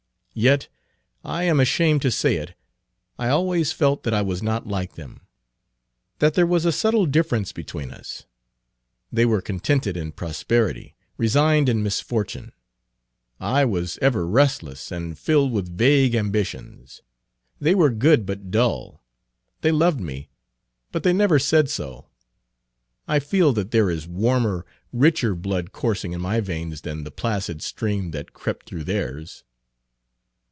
Yet I am ashamed to say it I always felt that I was not like them, that there was a subtle difference between us. They were contented in prosperity, resigned in misfortune; I was ever restless, and filled with vague ambitions. They were good, but dull. They loved me, but they never said so. I feel that there is warmer, richer blood coursing in my veins than the placid stream that crept through theirs."